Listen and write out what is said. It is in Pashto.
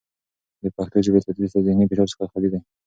د پښتو ژبې تدریس له زهني فشار څخه خالي دی.